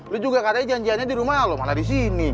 lo juga katanya janjiannya di rumah ya lo mana disini